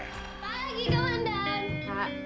pagi ke london